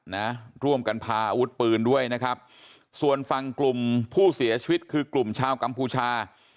นะร่วมกันพาอาวุธปืนด้วยนะครับส่วนฝั่งกลุ่มผู้เสียชีวิตคือกลุ่มชาวกัมพูชา